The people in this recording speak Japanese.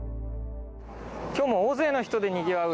今日も大勢の人でにぎわう